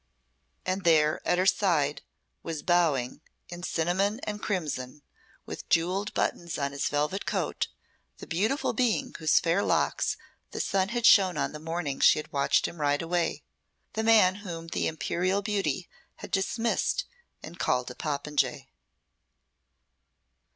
And there, at her side, was bowing, in cinnamon and crimson, with jewelled buttons on his velvet coat, the beautiful being whose fair locks the sun had shone on the morning she had watched him ride away the man whom the imperial beauty had dismissed and called a popinjay.